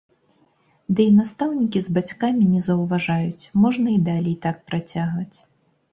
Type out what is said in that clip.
Ды і настаўнікі з бацькамі не заўважаюць, можна і далей так працягваць.